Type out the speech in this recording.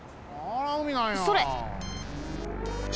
それ。